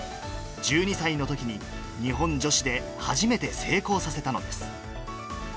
１２歳のときに、日本女子で初めて成功させたのです。